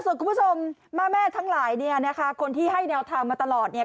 ส่วนคุณผู้ชมแม่ทั้งหลายเนี่ยนะคะคนที่ให้แนวทางมาตลอดเนี่ย